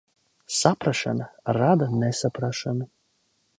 Saprašana rada nesaprašanu.